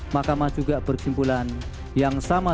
mahkamah juga bersimpulan yang sama